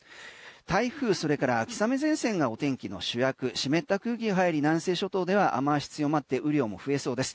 台風それから秋雨前線がお天気の主役湿った空気入り南西諸島では雨脚が強まって雨量も増えそうです。